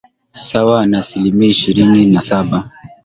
sawa na asilimia ishirini na saba